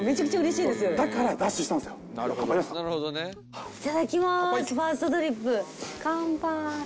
いただきます。